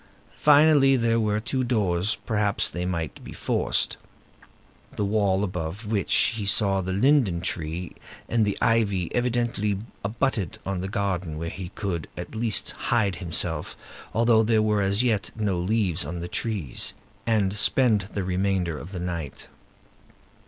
Finally, there were two doors; perhaps they might be forced. The wall above which he saw the linden tree and the ivy evidently abutted on a garden where he could, at least, hide himself, although there were as yet no leaves on the trees, and spend the remainder of the night.